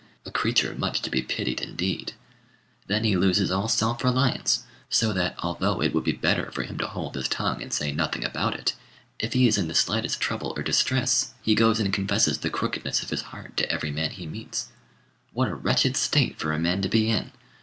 A creature much to be pitied indeed! Then he loses all self reliance, so that, although it would be better for him to hold his tongue and say nothing about it, if he is in the slightest trouble or distress, he goes and confesses the crookedness of his heart to every man he meets. What a wretched state for a man to be in!